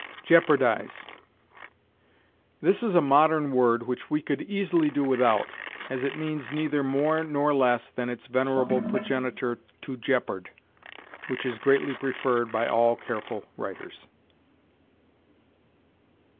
JEOPARDIZE. This is a modern word which we could easily do without, as it means neither more nor less than its venerable progenitor to jeopard, which is greatly preferred by all careful writers.